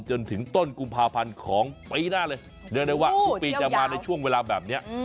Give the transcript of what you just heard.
จนถึงต้นกุมภาพันธ์ของปีหน้าเลยเรียกได้ว่าทุกปีจะมาในช่วงเวลาแบบนี้